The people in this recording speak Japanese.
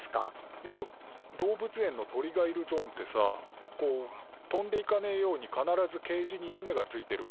いや動物園の鳥がいるゾーンってさこう飛んでいかねえように必ずケージに屋根がついてるべ？